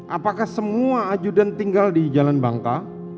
apakah semua ajudan tinggal di jalan bangka